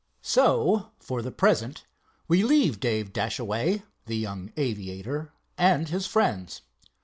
So, for the present, we leave Dave Dashaway, the young aviator, and his friends.